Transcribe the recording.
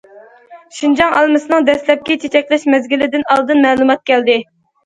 شىنجاڭ ئالمىسىنىڭ دەسلەپكى چېچەكلەش مەزگىلىدىن ئالدىن مەلۇمات كەلدى!